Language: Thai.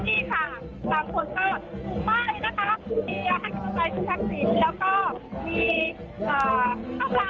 อันยากาศก็เรือนต่ำตอนนี้นะคะ